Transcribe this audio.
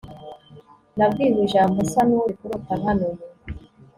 nabwiwe ijambo nsa n'uri kurota nkanuye